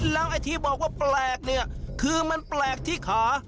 แล้วไอ้ที่บอกว่าแปลกเนี่ยคือมันแปลกที่ขา